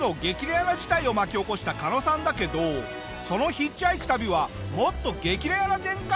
レアな事態を巻き起こしたカノさんだけどそのヒッチハイク旅はもっと激レアな展開に！